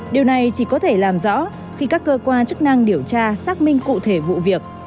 điều này chỉ có thể làm rõ khi các cơ quan chức năng điều tra xác minh cụ thể vụ việc